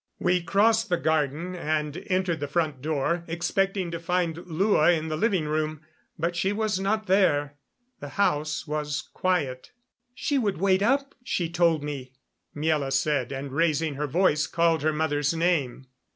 We crossed the garden and entered the front door, expecting to find Lua in the living room, but she was not there. The house was quiet. "She would wait up, she told me," Miela said, and, raising her voice, called her mother's name.